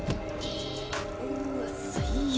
うっわ最悪。